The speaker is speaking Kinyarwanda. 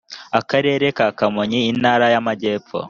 akarere ka kamonyi intara y’amajyepfo